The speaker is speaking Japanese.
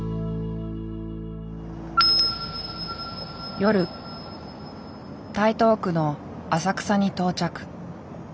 夜台東区の浅草に到着。